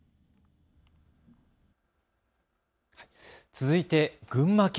続いて群馬県。